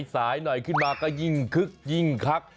สายหน่อยขึ้นมาก็ยิ่งคึกยิ่งคัก